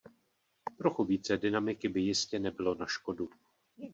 Trochu více dynamiky by jistě nebylo na škodu.